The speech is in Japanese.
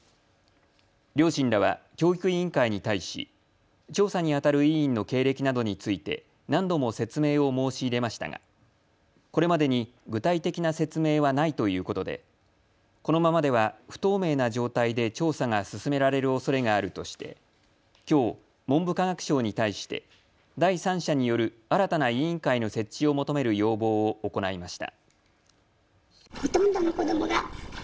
両親らは教育委員会に対し調査にあたる委員の経歴などについて何度も説明を申し入れましたがこれまでに具体的な説明はないということでこのままでは不透明な状態で調査が進められるおそれがあるとしてきょう文部科学省に対して第三者による新たな委員会の設置を求める要望を行いました。